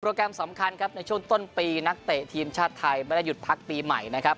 แกรมสำคัญครับในช่วงต้นปีนักเตะทีมชาติไทยไม่ได้หยุดพักปีใหม่นะครับ